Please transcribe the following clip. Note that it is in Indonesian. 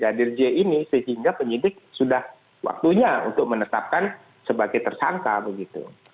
dari pada brigadir j ini sehingga penyidik sudah waktunya untuk menetapkan sebagai tersangka begitu